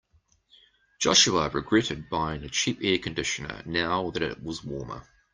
Joshua regretted buying a cheap air conditioner now that it was warmer.